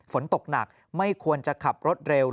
ฝนตกหนักไม่ควรจะขับรถเร็ว